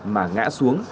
mà ngã xuống